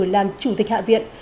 làm chủ tịch hạ viện